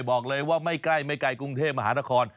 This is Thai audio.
บอกเลยว่าไม่ใกล้ไม่ไกลกรุงเทพมหานคร